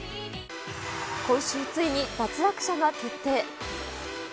今週ついに脱落者が決定。